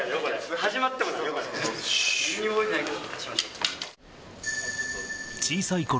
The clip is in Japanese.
始まってもないよ。